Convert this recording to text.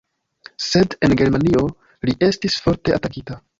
Sed en germanio li estis forte atakita.